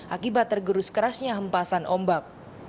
akibat tergerus kerasnya hempasan ombak